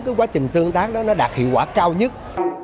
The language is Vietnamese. cái quá trình tương tác đó nó đạt hiệu quả cao nhất